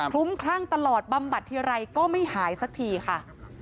ลุ้มคลั่งตลอดบำบัดทีไรก็ไม่หายสักทีค่ะ